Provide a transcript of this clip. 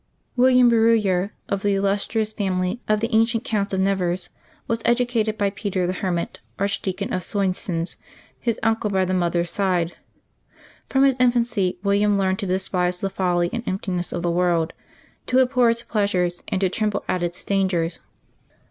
^I^ILLIAM Berruter, of the illustrious family of the an vly cient Counts of Nevers, was educated by Peter the Hermit, Archdeacon of Soissons, his uncle by the mother's side. From his infancy William learned to despise the folly and emptiness of the world, to abhor its pleasures, and to tremble at its dangers.